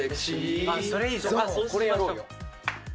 これやろうよ。